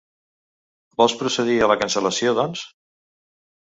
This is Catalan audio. Vols procedir a la cancel·lacio, doncs?